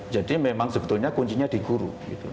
jadi memang sebetulnya kuncinya di guru